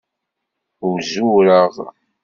Uzureɣ.